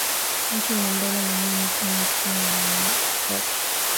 Mtu ni mbele na nyuma, pima sana mwana kwetu